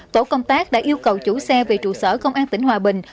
tổ công tác đã yêu cầu chủ xe về trụ sở công an tỉnh hòa bình